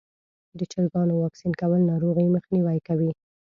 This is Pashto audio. د چرګانو واکسین کول ناروغۍ مخنیوی کوي.